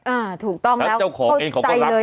อ่าถูกต้องแล้วเข้าใจเลย